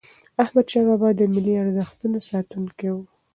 احمدشاه بابا د ملي ارزښتونو ساتونکی و.